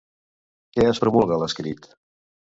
Què es promulga a l'escrit?